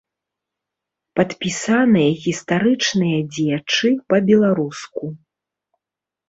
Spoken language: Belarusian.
Падпісаныя гістарычныя дзеячы па-беларуску.